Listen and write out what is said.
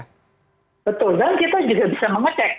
betul dan kita juga bisa mengecek